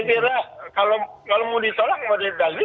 saya kira kalau mau ditolak kemudian ditanggung